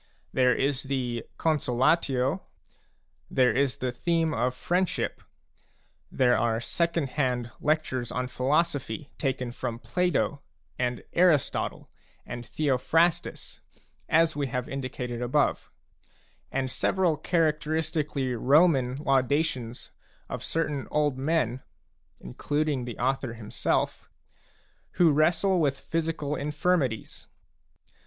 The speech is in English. There is the con solatio ; there is the theme of friendship ; there are second hand lectures on philosophy taken from Plato and Aristotle and Theophrastus, as we have indi cated above ; and several characteristically Roman laudations of certain old men (including the author himself) who wrestle with physical infirmities.